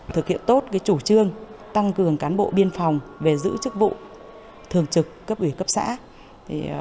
thực hiện tốt chủ trị tăng cường cán bộ cho cơ sở